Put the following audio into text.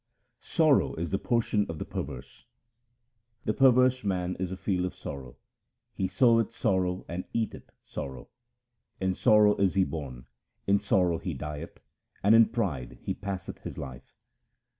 Sorrow is the portion of the perverse :— The perverse man is a field of sorrow ; he soweth sorrow and eateth sorrow. In sorrow is he born, in sorrow he dieth, and in pride he passeth his life.